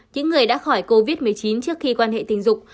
những người đã khỏi covid một mươi chín trước khi quan hệ tình dục